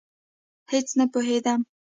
هېڅ نه پوهېدم.